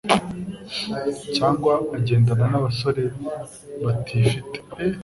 cyangwa agendana n'abasore batifite